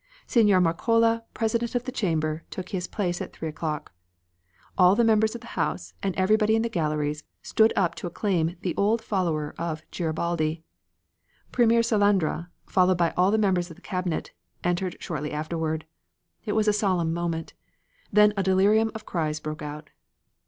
Senor Marcora, President of the Chamber, took his place at three o'clock. All the members of the House, and everybody in the galleries, stood up to acclaim the old follower of Garibaldi. Premier Salandra, followed by all the members of the Cabinet, entered shortly afterward. It was a solemn moment. Then a delirium of cries broke out.